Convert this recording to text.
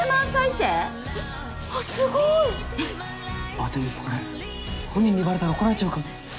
あっでもこれ本人にバレたら怒られちゃうかも。